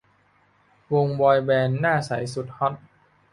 วงบอยแบนด์หน้าใสสุดฮอต